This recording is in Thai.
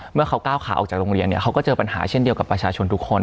เมื่อเขาก้าวขาออกจากโรงเรียนเนี่ยเขาก็เจอปัญหาเช่นเดียวกับประชาชนทุกคน